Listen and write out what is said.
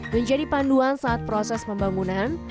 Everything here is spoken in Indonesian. menjadi panduan saat proses pembangunan